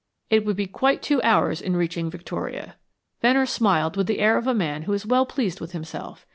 It would be quite two hours in reaching Victoria. Venner smiled with the air of a man who is well pleased with himself.